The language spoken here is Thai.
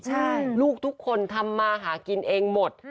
ใช่ลูกทุกคนทำมาหากินเองหมด